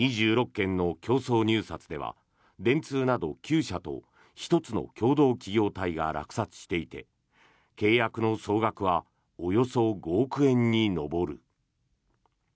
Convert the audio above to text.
２６件の競争入札では電通など９社と１つの共同企業体が落札していて契約の総額はおよそ５億円に上る。